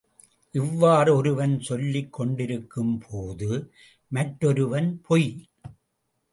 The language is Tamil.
இவ்வாறு ஒருவன் சொல்லிக் கொண்டிருக்கும்போது, மற்றொருவன் பொய்!